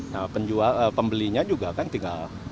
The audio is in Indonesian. nah pembelinya juga kan tidak akan berjualan